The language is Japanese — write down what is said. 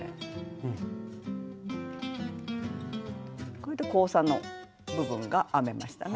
これで交差の部分が編めましたね。